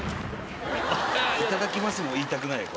「いただきます」も言いたくないよ